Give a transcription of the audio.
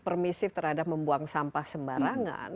permisif terhadap membuang sampah sembarangan